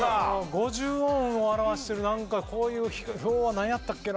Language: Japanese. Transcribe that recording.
五十音を表してるなんかこういう表はなんやったっけな。